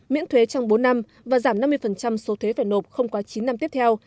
miễn thuế trong bốn năm và giảm năm mươi số thuế phải nộp không quá chín năm tiếp theo